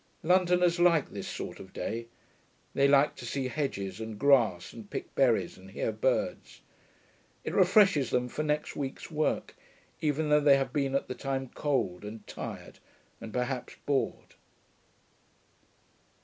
Londoners like this sort of day. They like to see hedges, and grass, and pick berries, and hear birds. It refreshes them for their next week's work, even though they have been at the time cold, and tired, and perhaps bored.